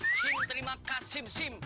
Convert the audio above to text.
sim terima kasih sim